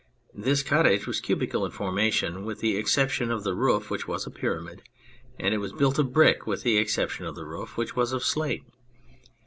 This cottage was cubical in formation with the exception of the roof, which was a pyramid, and it was built of brick with the exception of the roof, which was of slate.